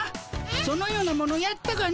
そのようなものやったかの？